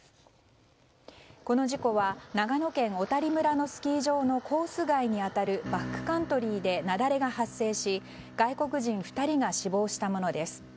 この事故は長野県小谷村のスキー場のコース外に当たるバックカントリーで雪崩が発生し外国人２人が死亡したものです。